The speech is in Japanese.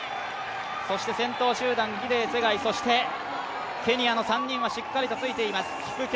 そして先頭集団、ギデイ、ツェガイそしてケニアの３人はしっかりとついています。